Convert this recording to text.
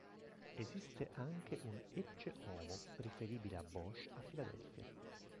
Esiste anche un "Ecce Homo" riferibile a Bosch a Filadelfia.